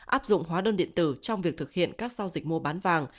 áp dụng hóa đơn điện tử trong việc thực hiện các giao dịch mua bán vàng